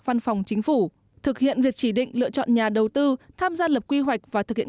văn phòng chính phủ thực hiện việc chỉ định lựa chọn nhà đầu tư tham gia lập quy hoạch và thực hiện